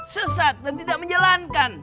sesat dan tidak menjalankan